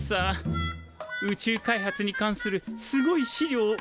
宇宙開発に関するすごい資料を受け取りにね。